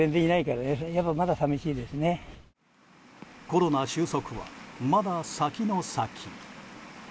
コロナ収束は、まだ先の先。